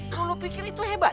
kalau pikir itu hebat